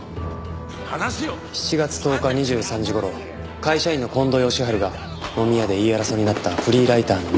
７月１０日２３時頃会社員の近藤義治が飲み屋で言い争いになったフリーライターの巻